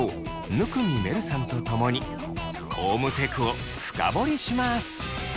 生見愛瑠さんとともにコームテクを深掘りします。